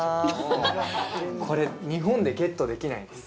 これ日本でゲットできないんです